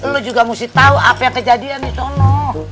lu juga mesti tau apa yang kejadian di sono